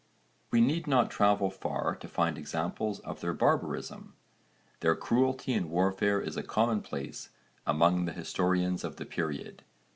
We need not travel far to find examples of their barbarism. Their cruelty in warfare is a commonplace among the historians of the period.